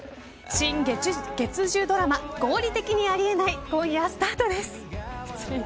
新月１０ドラマ合理的にあり得ない今夜スタートです。